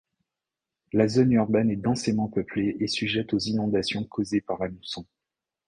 La zone urbaine est densément peuplée et sujette aux inondations causées par la mousson.